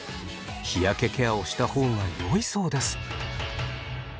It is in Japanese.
日焼けケアをした方がよいそうです。